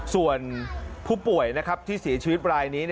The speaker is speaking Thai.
ส่วนผู้ป่วยนะครับที่สีชีวิตปลายนี้